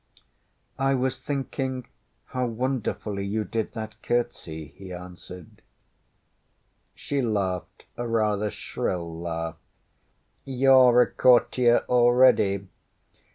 ŌĆÖ ŌĆśI was thinking how wonderfully you did that curtsy, ŌĆÖ he answered. She laughed a rather shrill laugh. ŌĆśYouŌĆÖre a courtier already.